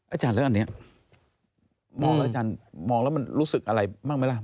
อาจารย์แล้วอันนี้มองแล้วอาจารย์มองแล้วมันรู้สึกอะไรบ้างไหมล่ะ